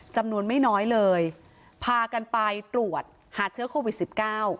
จำนวนไม่น้อยเลยพากันไปตรวจหาเชื้อโควิดสิบเก้า